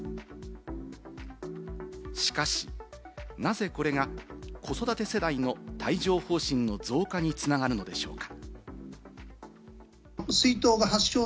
しかし、なぜこれが子育て世代の帯状疱疹の増加に繋がるのでしょうか？